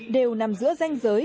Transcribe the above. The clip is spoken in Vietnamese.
đều nằm giữa danh giới